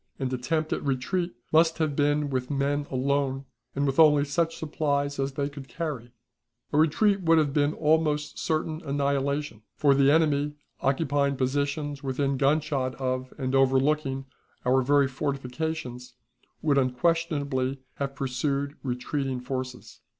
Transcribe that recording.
An attempt at retreat must have been with men alone, and with only such supplies as they could carry. A retreat would have been almost certain annihilation, for the enemy, occupying positions within gunshot of and overlooking our very fortifications, would unquestionably have pursued retreating forces.